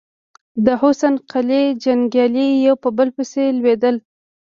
د حسن قلي جنګيالي يو په بل پسې لوېدل.